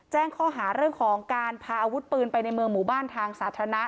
แจ้งข้อหาเรื่องของการพาอาวุธปืนไปในเมืองหมู่บ้านทางสาธารณะ